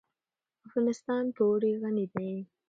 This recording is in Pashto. افغانستان په اوړي غني دی.